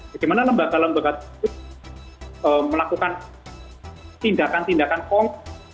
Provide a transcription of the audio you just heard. bagaimana lembaga lembaga itu melakukan tindakan tindakan pom